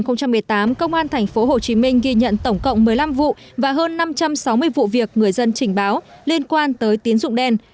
năm hai nghìn một mươi tám công an tp hcm ghi nhận tổng cộng một mươi năm vụ và hơn năm trăm sáu mươi vụ việc người dân trình báo liên quan tới tín dụng đen